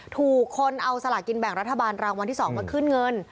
ถูกคนเอาสลากินแบ่งรัฐบาลรางวัลที่๒มาขึ้นเงิน